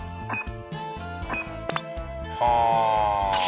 はあ。